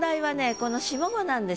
この下五なんです。